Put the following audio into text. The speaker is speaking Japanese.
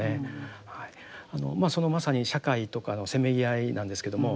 まさに社会とかのせめぎ合いなんですけども。